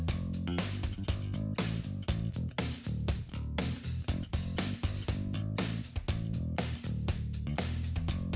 mereka mencari pilihan yang lebih baik